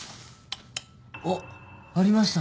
あっありました。